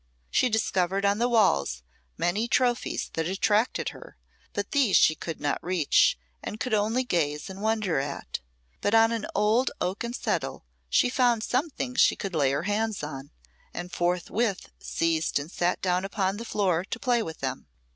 She discovered on the walls many trophies that attracted her, but these she could not reach, and could only gaze and wonder at; but on an old oaken settle she found some things she could lay hands on, and forthwith seized and sat down upon the floor to play with them.